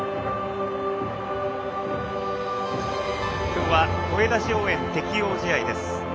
今日は声出し応援適用試合です。